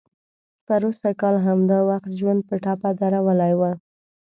پروسږ کال همدا وخت ژوند په ټپه درولی و.